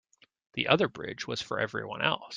The other bridge was for everyone else.